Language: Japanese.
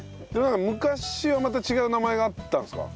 昔はまた違う名前があったんですか？